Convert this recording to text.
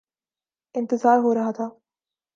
انتظار ہو رہا تھا